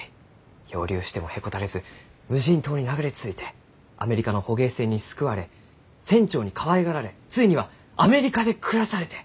漂流してもへこたれず無人島に流れ着いてアメリカの捕鯨船に救われ船長にかわいがられついにはアメリカで暮らされて！